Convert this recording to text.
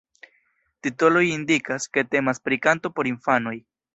Titoloj indikas, ke temas pri kanto por infanoj.